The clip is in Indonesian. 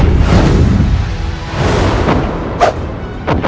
aku akan membuatmu mati